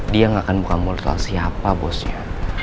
dia gak akan buka mulut lo siapa bosnya